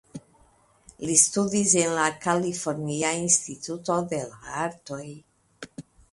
Li studis en la Kalifornia Instituto de la Artoj.